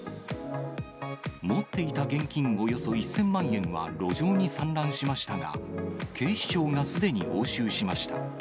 持っていた現金およそ１０００万円は路上に散乱しましたが、警視庁がすでに押収しました。